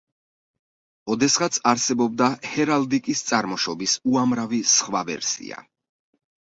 ოდესღაც არსებობდა ჰერალდიკის წარმოშობის უამრავი სხვა ვერსია.